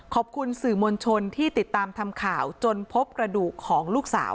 ขอบคุณสื่อมวลชนที่ติดตามทำข่าวจนพบกระดูกของลูกสาว